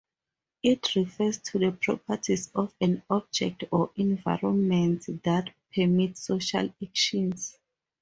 It refers to the properties of an object or environment that permit social actions.